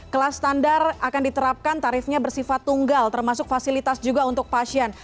kelas standar akan diterapkan tarifnya bersifat tunggal termasuk fasilitas juga untuk pasien